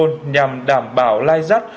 nhằm đảm bảo lai rắc